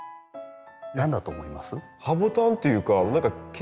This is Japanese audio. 何だと思います？